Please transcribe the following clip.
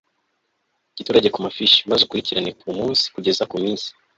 giturage ku mafishi maze ukurikirane mu munsi kugeza ku iminsi